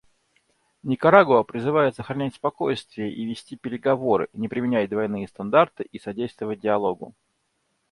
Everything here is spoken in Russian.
Никарагуа призывает сохранять спокойствие и вести переговоры, не применять двойные стандарты и содействовать диалогу.